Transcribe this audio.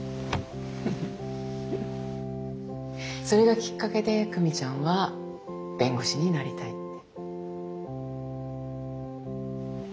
それがきっかけで久美ちゃんは弁護士になりたいって。